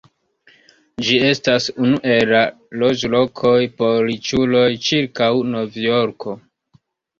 Ĝi estas unu el la loĝlokoj por riĉuloj ĉirkaŭ Novjorko.